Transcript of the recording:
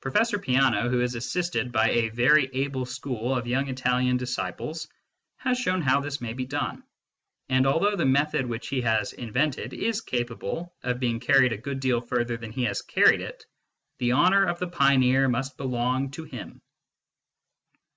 Professor Peano, who is assisted by a very able school of young Italian disciples, has shown how this may be done ; and although the method which he has invented is capable of being carried a good deal further than he has carried it, the honour of the pioneer must belong to him.